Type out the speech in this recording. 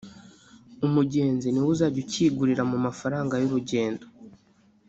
umugenzi niwe uzajya ukigurira mu mafaranga y’urugendo